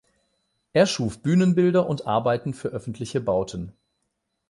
Er schuf Bühnenbilder und Arbeiten für öffentliche Bauten.